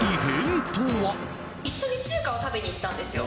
一緒に中華を食べに行ったんですよ。